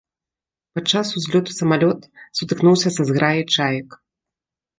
Падчас узлёту самалёт сутыкнуўся са зграяй чаек.